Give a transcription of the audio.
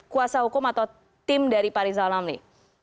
kuasa hukum atau tim dari pak rizal ramli